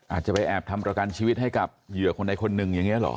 อาจจะไปแอบทำประกันชีวิตให้กับเหยื่อคนใดคนหนึ่งอย่างนี้เหรอ